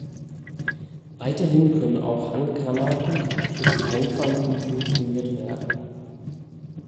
Weiterhin können auch Handgranaten zu Sprengfallen umfunktioniert werden.